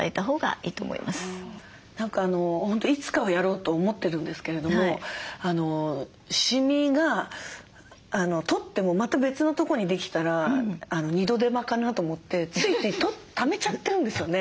何か本当いつかはやろうと思ってるんですけれどもシミが取ってもまた別のとこにできたら二度手間かなと思ってついついためちゃってるんですよね。